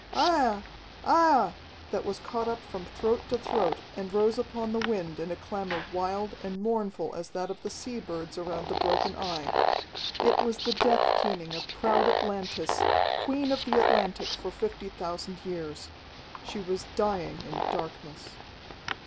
Aiah! Aiah!" that was caught up from throat to throat and rose upon the wind in a clamor wild and mournful as that of the sea birds around the broken Eye. It was the death keening of proud Atlantis, Queen of the Atlantic for fifty thousand years. She was dying in darkness.